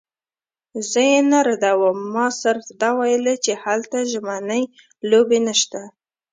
زه یې نه ردوم، ما صرف دا ویل چې هلته ژمنۍ لوبې نشته.